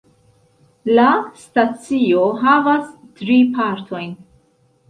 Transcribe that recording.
La stacio havas tri partojn.